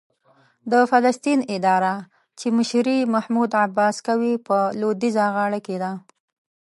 د فلسطین اداره چې مشري یې محمود عباس کوي، په لوېدیځه غاړه کې ده.